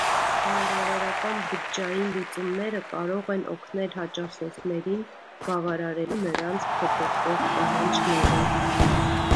Նորարարական բջջային լուծումները կարող են օգնել հաճախորդներին՝ բավարարելու նրանց փոփոխվող պահանջները։